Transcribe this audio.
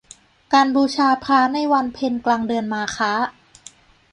การบูชาพระในวันเพ็ญกลางเดือนมาฆะ